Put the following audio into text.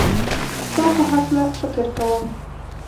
ستا په هکله فکر کوم